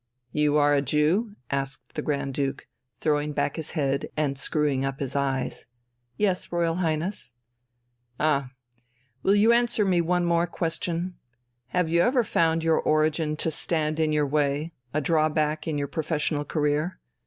"You are a Jew?" asked the Grand Duke, throwing back his head and screwing up his eyes. "Yes, Royal Highness." "Ah will you answer me one more question? Have you ever found your origin to stand in your way, a drawback in your professional career?